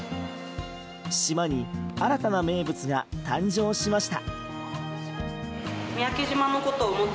島に新たな名物が誕生しました。